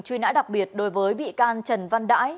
truy nã đặc biệt đối với bị can trần văn đãi